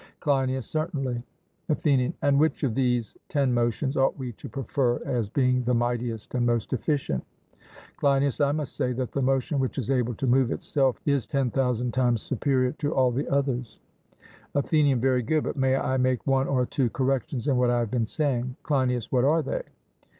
CLEINIAS: Certainly. ATHENIAN: And which of these ten motions ought we to prefer as being the mightiest and most efficient? CLEINIAS: I must say that the motion which is able to move itself is ten thousand times superior to all the others. ATHENIAN: Very good; but may I make one or two corrections in what I have been saying? CLEINIAS: What are they?